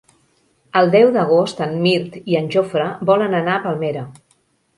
El deu d'agost en Mirt i en Jofre volen anar a Palmera.